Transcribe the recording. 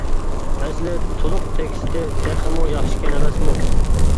ئەسلى تۇلۇق تېكىستى تېخىمۇ ياخشىكەن ئەمەسمۇ.